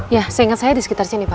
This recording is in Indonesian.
ya seingat saya di sekitar sini pak